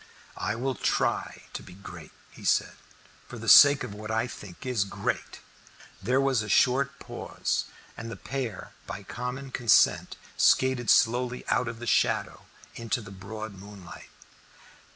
"I will try to be great," he said, "for the sake of what I think is great." There was a short pause, and the pair by common consent skated slowly out of the shadow into the broad moonlight.